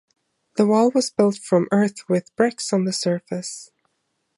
The wall was built from earth with bricks on the surface.